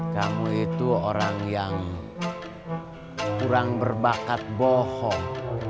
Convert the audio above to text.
kamu itu orang yang kurang berbakat bohong